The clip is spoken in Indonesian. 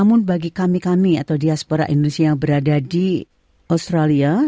namun bagi kami kami atau diaspora indonesia yang berada di australia